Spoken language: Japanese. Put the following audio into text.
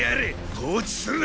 放置するな！